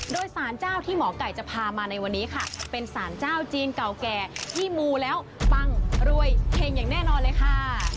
โดยสารเจ้าที่หมอไก่จะพามาในวันนี้ค่ะเป็นสารเจ้าจีนเก่าแก่ที่มูแล้วปังรวยเฮงอย่างแน่นอนเลยค่ะ